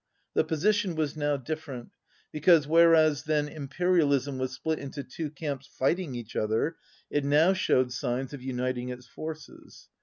The position was now different, because whereas then imperialism was split into two camps fighting each other, it now showed signs of uniting its forces.